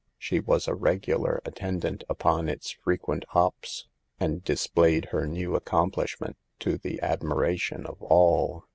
She was a regular attendant upon its frequent hops, and dis played her new accomplishment to the admi ration of all.